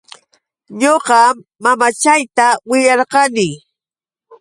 Ñuqam mamachayta willarqani.